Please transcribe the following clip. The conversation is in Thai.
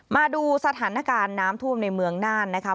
มาดูสถานการณ์น้ำท่วมในเมืองน่านนะคะ